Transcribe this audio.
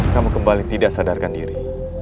kamu kembali tidak sadarkan diri